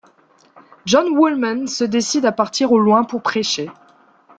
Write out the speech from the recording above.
John Woolman se décide à partir au loin pour prêcher.